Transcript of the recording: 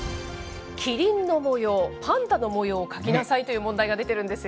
キリンの模様、パンダの模様を描きなさいという問題が出ているんですよ。